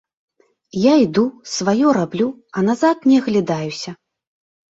Я іду, сваё раблю, а назад не аглядаюся.